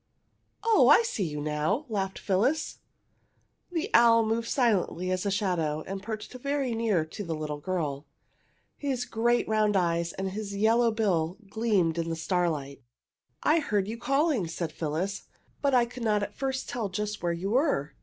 "Oh, I see you now!" laughed Phyllis. The owl moved silently as a shadow and perched very near to the little girl. His great round eyes and his yellow bill gleamed in the starlight. "I heard you calling!" said Phyllis. "But I could not at first tell just where you were.